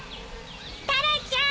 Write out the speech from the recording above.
タラちゃん。